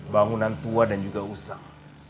bangunan tua dan juga usang